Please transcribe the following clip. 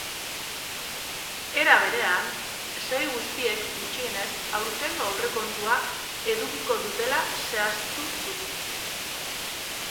Era berean, sail guztiek gutxienez aurtengo aurrekontua edukiko dutela zehaztu du.